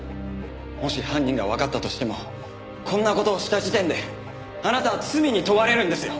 もし犯人がわかったとしてもこんな事をした時点であなたは罪に問われるんですよ！